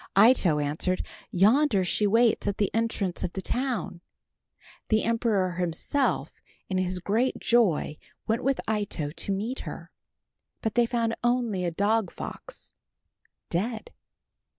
Ito answered, "Yonder she waits at the entrance of the town." The emperor himself in his great joy went with Ito to meet her. But they found only a dog fox dead.